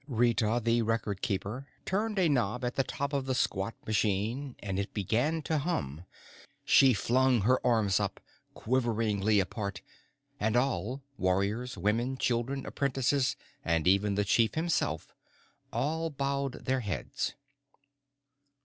_ Rita the Record Keeper turned a knob at the top of the squat machine and it began to hum. She flung her arms up, quiveringly apart, and all, warriors, women, children, apprentices, even the chief himself, all bowed their heads.